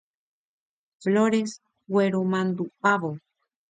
Flores gueromanduʼávo.